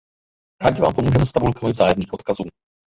Rádi vám pomůžeme s tabulkami vzájemných odkazů.